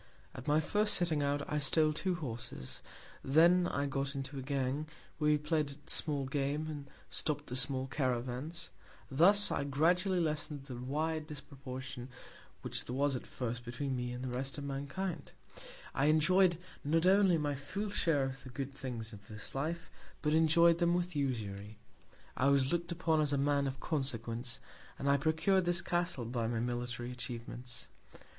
At my first setting out, I stole two Horses; then I got into a Gang; where we play'd at small Game, and stopp'd the small Caravans; thus I gradually lessen'd the wide Disproportion, which there was at first between me and the rest of Mankind: I enjoy'd not only my full Share of the good Things of this Life, but enjoy'd them with Usury. I was look'd upon as a Man of Consequence, and I procur'd this Castle by my military Atchievements.